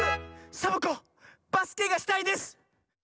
サボ子バスケがしたいです！